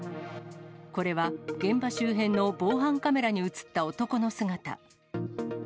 これは、現場周辺の防犯カメラに写った男の姿。